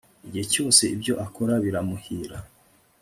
igihe cyose ibyo akora biramuhira